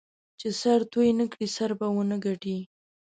چې سره توی نه کړې؛ سره به و نه ګټې.